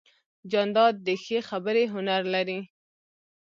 جانداد د ښې خبرې هنر لري.